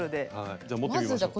じゃあ持ってみましょう。